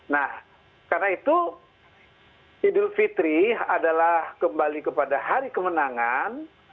nah karena itu idul fitri adalah kembali kepada hari kemenangan